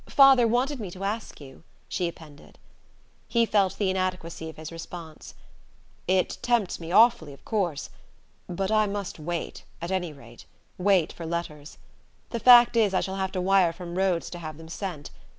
Father wanted me to ask you," she appended. He felt the inadequacy of his response. "It tempts me awfully, of course. But I must wait, at any rate wait for letters. The fact is I shall have to wire from Rhodes to have them sent.